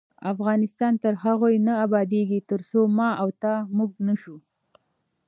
افغانستان تر هغو نه ابادیږي، ترڅو ما او تا "موږ" نشو.